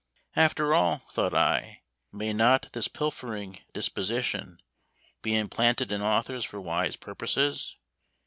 After all, thought I, may not this pilfering disposition be implanted in authors for wise purposes?